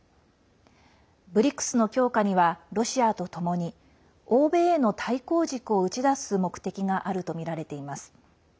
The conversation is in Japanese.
ＢＲＩＣＳの強化にはロシアとともに欧米への対抗軸を打ち出す目的があるとみられています。